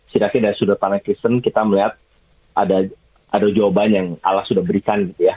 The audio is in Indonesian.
setidaknya dari sudut para netizen kita melihat ada jawaban yang allah sudah berikan gitu ya